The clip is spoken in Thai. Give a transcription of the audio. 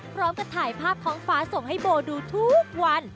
พร้อมกับถ่ายภาพท้องฟ้าส่งให้โบดูทุกวัน